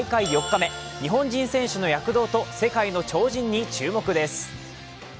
日本人選手の躍動と世界の超人に注目です。